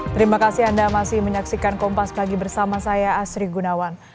terima kasih anda masih menyaksikan kompas pagi bersama saya asri gunawan